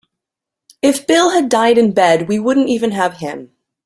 If Bill had died in bed we wouldn't even have him.